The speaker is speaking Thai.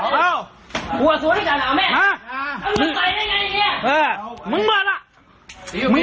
ปรากฏว่าสิ่งที่เกิดขึ้นคือคลิปนี้ฮะ